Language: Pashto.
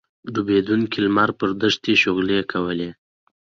ډوبېدونکی لمر پر دښته شغلې کولې.